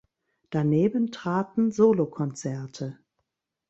Daneben traten Solokonzerte.